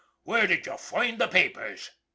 Where did you f oind the papers ?